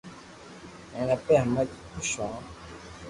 ھين اپي ھمي خوس ھون